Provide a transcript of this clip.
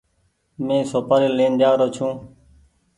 مينٚ سوپآري لين جآرو ڇوٚنٚ